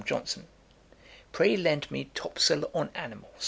JOHNSON. 'Pray lend me Topsel on Animals.'